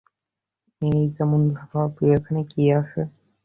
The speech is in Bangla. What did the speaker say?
এই যেমন, ভাবি ওখানে কী আছে।